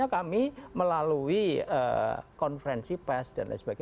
kami melalui konferensi pes